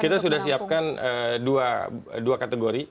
kita sudah siapkan dua kategori